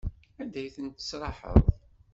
Anda ay ten-tesraḥeḍ?